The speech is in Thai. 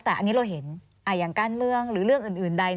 แต่อันนี้เราเห็นอย่างการเมืองหรือเรื่องอื่นใด